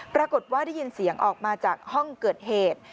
ปรากฏว่าได้ยินเสียงออกมาจากห้องเกิดเหตุ